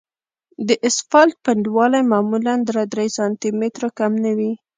د اسفالټ پنډوالی معمولاً له درې سانتي مترو کم نه وي